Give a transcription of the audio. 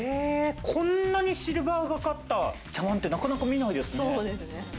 こんなにシルバーがかったお茶碗って、なかなか見ないですよね。